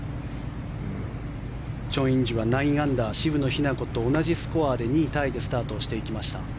チョン・インジは９アンダー渋野日向子と同じスコアで２位タイでスタートしていきました。